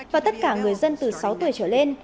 và tất cả người dân từ sáu tuổi trở lên